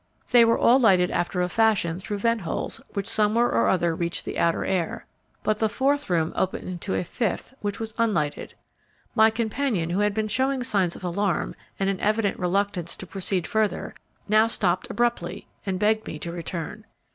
They were all lighted after a fashion through vent holes which somewhere or other reached the outer air, but the fourth room opened into a fifth which was unlighted. My companion, who had been showing signs of alarm and an evident reluctance to proceed further, now stopped abruptly and begged me to return.